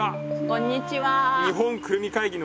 こんにちは。